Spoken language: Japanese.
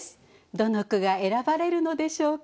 どの句が選ばれるのでしょうか。